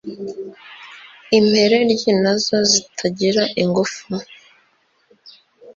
impereryi na zo zitagira ingufu